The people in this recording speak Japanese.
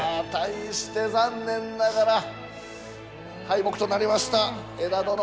対して残念ながら敗北となりました江田殿。